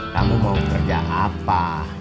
kamu mau kerja apa